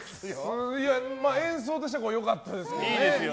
演奏としては良かったですけどね。